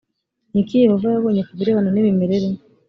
ni iki yehova yabonye ku birebana n imimerere